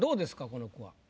この句は。